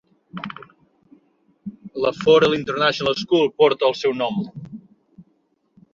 La Forel International School porta el seu nom.